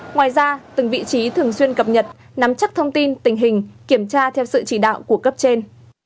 ngoài ra từng vị trí thường xuyên cập nhật nắm chắc thông tin tình hình kiểm tra theo sự chỉ đạo của cấp trên